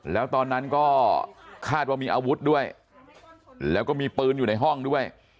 แล้วตอนนั้นก็คาดว่ามีอาวุธด้วยแล้วก็มีปืนอยู่ในห้องด้วย